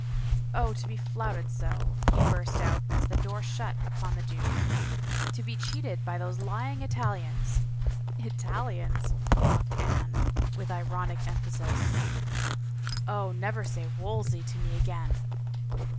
" Oh, to be flouted so !" he btwst out as the door shut upon the duke. " To be cheated by those lying Italians —" "Italians?" mocked Anne, with ironic emphasis. " Oh, never say Wolsey to me again